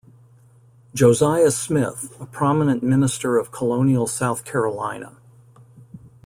Josiah Smith, a prominent minister of colonial South Carolina.